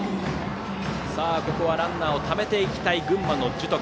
ランナーをためていきたい群馬の樹徳。